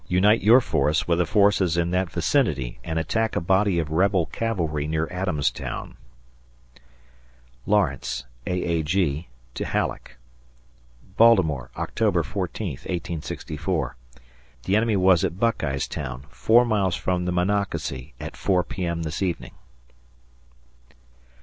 unite your force with the forces in that vicinity and attack a body of rebel cavalry near Adamstown. [Lawrence, A. A. G., to Halleck] Bal't., Oct. 14th, 1864. The enemy was at Buckeyestown, four miles from the Monocacy, at 4 P.M. this evening.